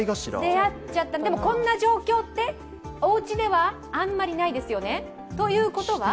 でも、こんな状況っておうちではあんまりないですよね？ということは？